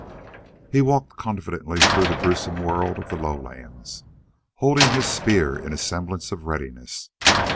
He walked confidently through the gruesome world of the lowlands, holding his spear in a semblance of readiness.